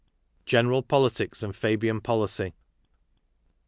— General Politics and Fabian Policy.